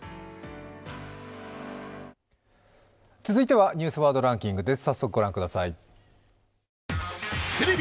今週の「ニュースワードランキング」。